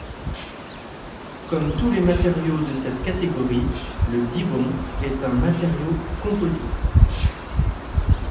Comme tous les matériaux de cette catégorie, le Dibond est un matériau composite.